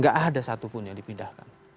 gak ada satupun yang dipindahkan